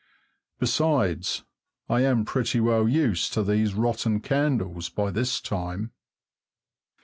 Besides, I am pretty well used to these rotten candles by this time.